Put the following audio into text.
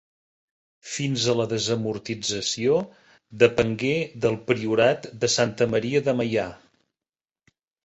Fins a la desamortització depengué del priorat de Santa Maria de Meià.